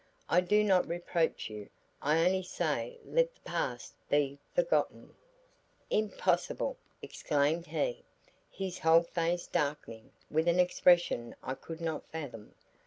I do not reproach you; I only say let the past be forgotten " "Impossible," exclaimed he, his whole face darkening with an expression I could not fathom.